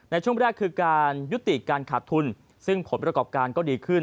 ในช่วงแรกคือการยุติการขาดทุนซึ่งผลประกอบการก็ดีขึ้น